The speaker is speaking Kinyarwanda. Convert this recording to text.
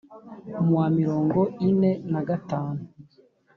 Mu wa mirongo ine na gatanu